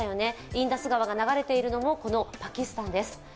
インダス川が流れているのもパキスタンです。